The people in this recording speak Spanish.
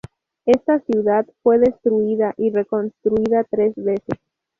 Esta ciudad fue destruida y reconstruida tres veces.